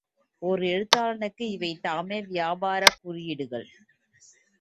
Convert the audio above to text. ஓர் எழுத்தாளனுக்கு இவைதாமே வியாபாரக் குறியீடுகள்?